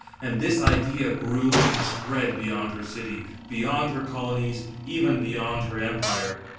And this idea grew and spread beyond her city, beyond her colonies, even beyond her empire.